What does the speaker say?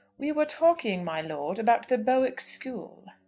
"We were talking, my lord, about the Bowick school."